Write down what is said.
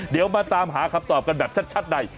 เดี๋ยวมาตามหาคำตอบกันแบบชัดใน